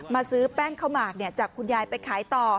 ซื้อแป้งข้าวหมากจากคุณยายไปขายต่อ